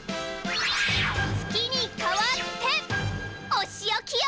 月にかわっておしおきよ！